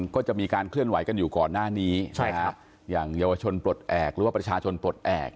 ก็จะมีการเคลื่อนไหวกันอยู่ก่อนหน้านี้อย่างเยาวชนปลดแอบหรือว่าประชาชนปลดแอบ